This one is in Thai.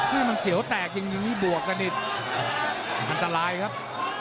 นี่มันเสียวแตกอย่างงี้บวกกะนิดอันตรายครับ